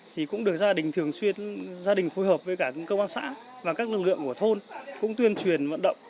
thì cũng được gia đình thường xuyên gia đình phối hợp với cả công an xã và các lực lượng của thôn cũng tuyên truyền vận động